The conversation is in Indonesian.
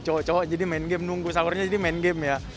cocok jadi main game nunggu sahurnya jadi main game ya